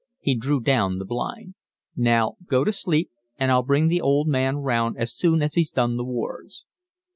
He drew down the blind. "Now, go to sleep and I'll bring the old man round as soon as he's done the wards."